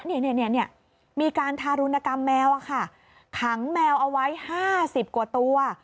เนี่ยมีการทารุณกรรมแมวค่ะขังแมวเอาไว้๕๐กว่าตัว